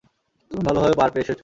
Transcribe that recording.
তুমি ভালোভাবে পার পেয়ে এসেছো।